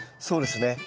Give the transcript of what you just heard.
そうですね。